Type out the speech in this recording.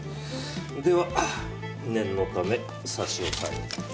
では念のため差し押さえを。